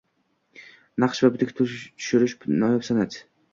Naqsh va bitik tushirish – noyob san’at.